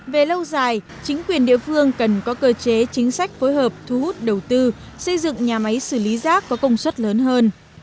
về lâu dài chính quyền địa phương cần có cơ chế chính sách phối hợp thu hút đầu tư xây dựng nhà máy xử lý rác có công suất lớn hơn